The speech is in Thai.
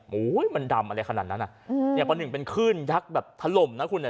มันดำอะไรขนาดนั้นตอนหนึ่งเป็นขึ้นยักษ์แบบถล่มนะคุณ